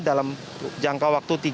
dalam jangka waktu